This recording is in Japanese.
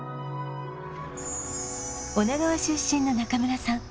女川出身の中村さん